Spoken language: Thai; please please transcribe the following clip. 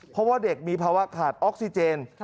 เพราะว่าเด็กมีภาวะขาดออกซิเจน